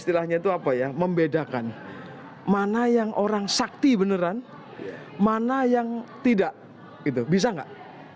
istilahnya itu apa ya membedakan mana yang orang sakti beneran mana yang tidak itu bisa nggak